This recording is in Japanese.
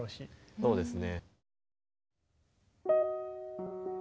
そうですね。